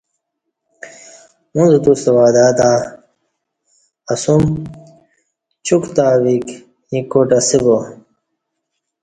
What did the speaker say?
اݩڅ توستہ وعدہ تہ اسوم چوک تاویک ییں کاٹ اسہ با